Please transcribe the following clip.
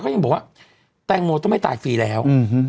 เขายังบอกว่าแตงโมต้องไม่ตายฟรีแล้ว